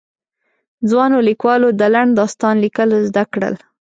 ځوانو ليکوالو د لنډ داستان ليکل زده کړل.